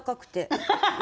ハハハハ！